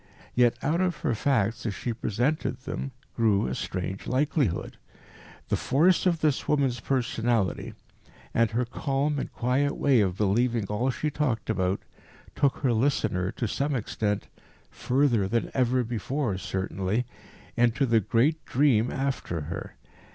Yet out of her facts, as she presented them, grew a strange likelihood. The force of this woman's personality, and her calm and quiet way of believing all she talked about, took her listener to some extent further than ever before, certainly into the great dream after her.